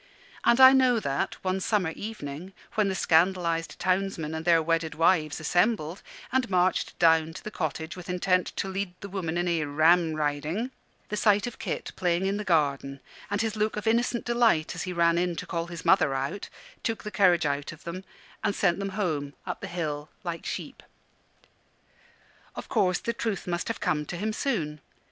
And I know that, one summer evening, when the scandalised townsmen and their wedded wives assembled, and marched down to the cottage with intent to lead the woman in a "Ramriding," the sight of Kit playing in the garden, and his look of innocent delight as he ran in to call his mother out, took the courage out of them and sent them home, up the hill, like sheep. Of course the truth must have come to him soon.